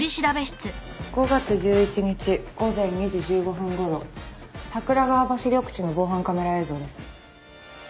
５月１１日午前２時１５分頃桜川橋緑地の防犯カメラ映像です。